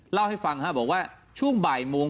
เล่าให้ฟังบอกว่าช่วงบ่ายโมง